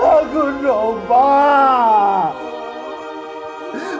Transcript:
aku mau bangun